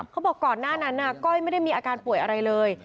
เขาบอกก่อนหน้านั้นก้อยไม่ได้มีอาการป่วยอะไรเลย